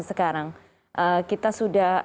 sekarang kita sudah